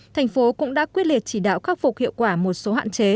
thành phố cũng đã quyết liệt chỉ đạo khắc phục hiệu quả một số hạn chế